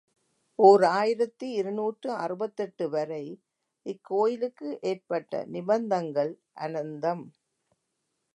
ஓர் ஆயிரத்து இருநூற்று அறுபத்தெட்டு வரை இக்கோயிலுக்கு ஏற்பட்ட நிபந்தங்கள் அனந்தம்.